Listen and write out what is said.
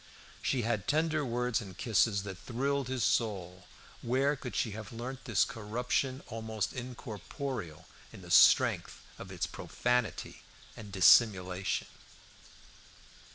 She had tender words and kisses that thrilled his soul. Where could she have learnt this corruption almost incorporeal in the strength of its profanity and dissimulation?